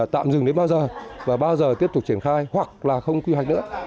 tạm dừng đến bao giờ và bao giờ tiếp tục triển khai hoặc là không quy hoạch nữa